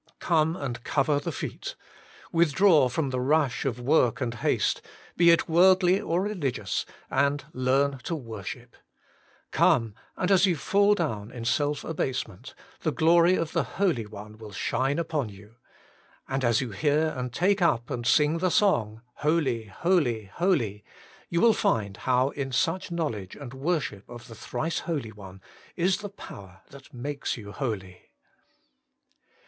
Come and cover the feet : withdraw from the rush of work and haste, be it worldly or religious, and learn to worship. Come, and as you fall down in self abase ment, the glory of the Holy One will shine upon you. And as you hear and take up and sing the song, HOLY, HOLY, HOLY, you will find how in such knowledge and worship of the Thrice Holy One is the power that makes you holy.